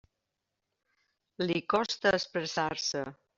Li costa expressar-se.